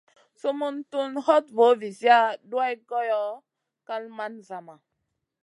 Sumun tun hoɗ voo viziya duwayd goyo, kal man zama.